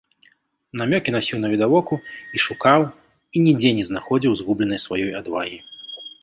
Намёкі насіў навідавоку і шукаў і нідзе не знаходзіў згубленай сваёй адвагі.